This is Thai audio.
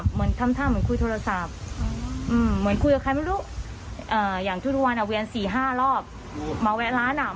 เหมือนอยากเล่าเลยเนอะแต่เราบอกว่าไม่ขาย